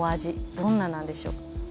どんななんでしょう。